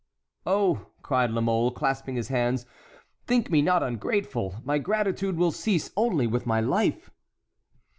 "Oh," cried La Mole, clasping his hands, "think me not ungrateful; my gratitude will cease only with my life."